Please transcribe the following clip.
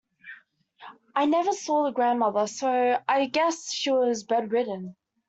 I never saw the grandmother, so I guessed she was bedridden.